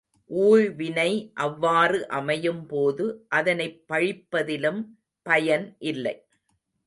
ஊழ்வினை அவ்வாறு அமையும் போது அதனைப் பழிப்பதிலும் பயன் இல்லை.